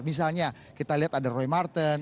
misalnya kita lihat ada roy martin